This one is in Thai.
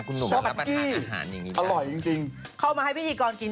คุณหนุ่มมันรับประทานอาหารอย่างงี้อร่อยจริงเขามาให้พิธีกรกิน